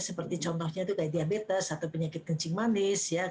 seperti contohnya itu kayak diabetes atau penyakit kencing manis